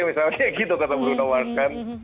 misalnya kayak gitu kata bruno mars kan